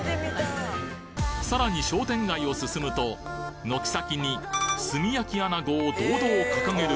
さらに商店街を進むと軒先に「炭焼あなご」を堂々掲げる